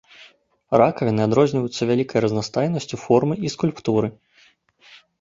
Ракавіны адрозніваюцца вялікай разнастайнасцю формы і скульптуры.